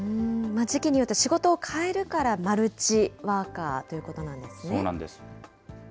時期によって仕事を変えるからマルチワーカーということなんそうなんです。